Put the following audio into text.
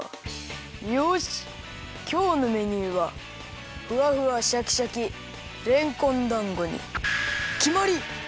よしきょうのメニューはふわふわシャキシャキれんこんだんごにきまり！